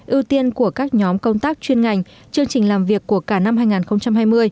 ưu tiên của các nhóm công tác chuyên ngành chương trình làm việc của cả năm hai nghìn hai mươi